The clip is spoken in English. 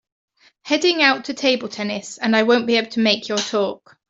Heading out to table tennis and I won’t be able to make your talk.